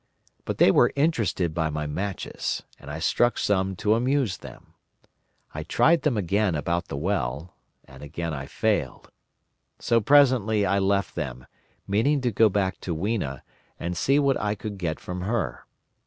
But they were interested by my matches, and I struck some to amuse them. I tried them again about the well, and again I failed. So presently I left them, meaning to go back to Weena, and see what I could get from her.